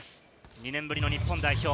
２年ぶりの日本代表。